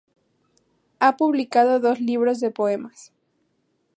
Ha publicado dos libros de poemas.